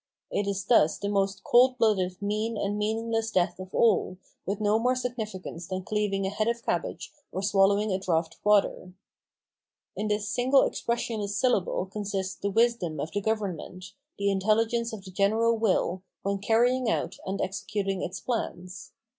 It is thus the most cold blooded mean and meaningless death of all, with no more significance than cleaving a head of cabbage or swallowing a draught of water. In this single expressionless syllable consists the wisdom of the government, the intelligence of the general wiU, when carrying out and executing its plans.